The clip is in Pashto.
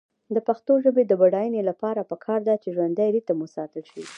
د پښتو ژبې د بډاینې لپاره پکار ده چې ژوندی ریتم وساتل شي.